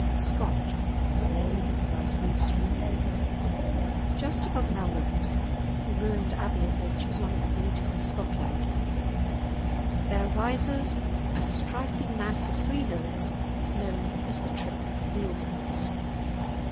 SCOTT: Lay of the Last Minstrel. Just above Melrose, the ruined abbey of which is one of the beauties of Scotland, there rises a striking mass of three hills known as "the triple Eildons."